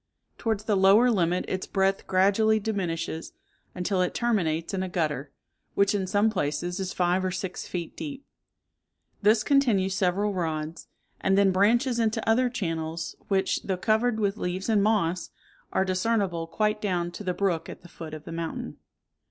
Towards the lower limit its breadth gradually diminishes, until it terminates in a gutter, which in some places is five or six feet deep; this continues several rods, and then branches into other channels, which, though covered with leaves and moss, are discernible quite down to the brook at the foot of the mountain.